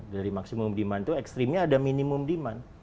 dari maksimum demand itu ekstrimnya ada minimum demand